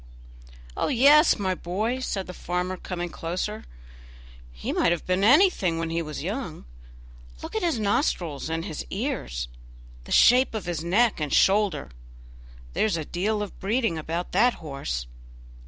"Oh, yes! my boy," said the farmer, coming closer, "he might have been anything when he was young; look at his nostrils and his ears, the shape of his neck and shoulder; there's a deal of breeding about that horse."